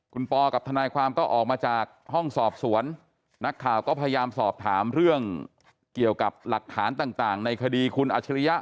คุณปอกับทนายความก็ออกมาจากห้องสอบสวนนักข่าวก็พยายามสอบถามเรื่องเกี่ยวกับหลักฐานต่างในคดีคุณอัชริยะ